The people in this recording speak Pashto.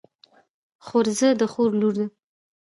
خورزه د خور لور.